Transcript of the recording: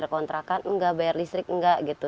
bayar kontrakan enggak bayar listrik enggak